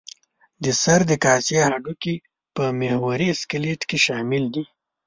د سر د کاسې هډوکي په محوري سکلېټ کې شامل دي.